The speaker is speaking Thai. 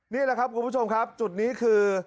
นี่แหละครับคุณผู้ชมครับจุดนี้คือ